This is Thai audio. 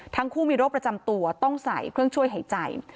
ทั้งคู่มีโรคประจำตัวต้องใส่เครื่องช่วยหายใจ